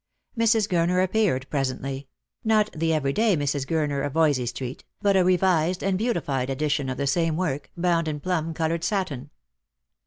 Mrs. Gurner appeared presently; not the every day Mrs. Gurner of Voysey street, but a revised and beautified edition of the same work, bound in plum coloured satin.